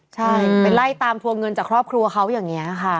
ใช่ไปไล่ตามทวงเงินจากครอบครัวเขาอย่างนี้ค่ะ